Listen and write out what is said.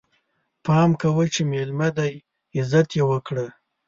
پام کوه چې ميلمه دی، عزت يې وکړه!